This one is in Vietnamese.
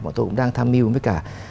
bọn tôi cũng đang tham mưu với cả